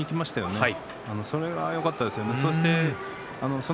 多分それがよかったですよね。